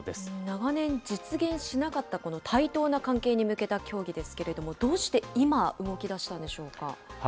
長年、実現しなかったこの対等な関係に向けた協議ですけれども、どうして今、動きだしたんでしょうか？